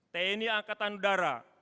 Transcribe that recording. tni angkatan udara